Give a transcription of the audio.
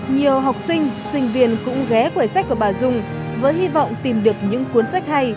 nhiều học sinh sinh viên cũng ghé quầy sách của bà dung với hy vọng tìm được những cuốn sách hay